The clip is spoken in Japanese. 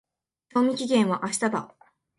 賞味期限は明日だ。